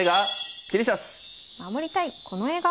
守りたいこの笑顔。